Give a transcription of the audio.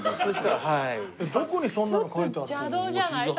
どこにそんなの書いてあるの？